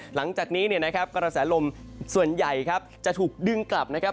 หลังจากนี้เนี่ยนะครับกระแสลมส่วนใหญ่ครับจะถูกดึงกลับนะครับ